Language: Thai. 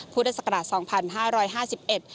พุทธศักราช๒๕๕๑